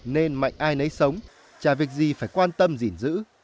nên mạnh ai nấy sống trả việc gì phải quan tâm gìn giữ